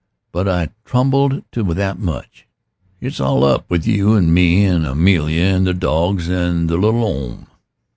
But I tumbled to that much. It's all up with you and me and Amelia and the dogs and the little 'ome.